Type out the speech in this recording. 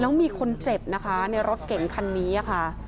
แล้วมีคนเจ็บนะคะในรถเก่งคันนี้ค่ะ